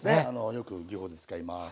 よく技法で使います。